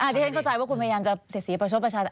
ที่ฉันเข้าใจว่าคุณพยายามจะเสียสีประชดประชาชน